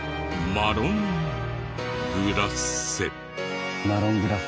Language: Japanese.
マロングラッセ。